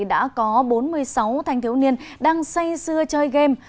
đã có bốn mươi sáu thanh thiếu niên đang say sưa chơi game